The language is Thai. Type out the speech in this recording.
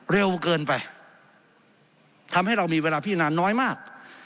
เร็วเกินไปทำให้เรามีเวลาพิจารณาน้อยมาก